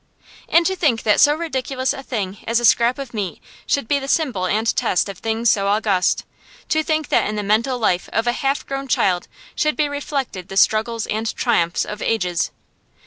And to think that so ridiculous a thing as a scrap of meat should be the symbol and test of things so august! To think that in the mental life of a half grown child should be reflected the struggles and triumphs of ages!